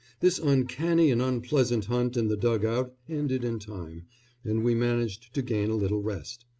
This uncanny and unpleasant hunt in the dug out ended in time, and we managed to gain a little rest.